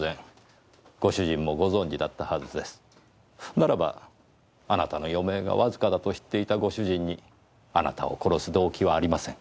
ならばあなたの余命がわずかだと知っていたご主人にあなたを殺す動機はありません。